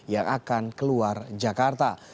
yang akan keluar jakarta